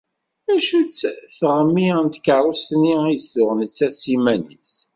Acu-tt teɣmi n tkeṛṛust-nni i d-tuɣ nettat s yiman-is?